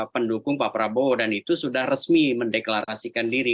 pendukung pak prabowo dan itu sudah resmi mendeklarasikan diri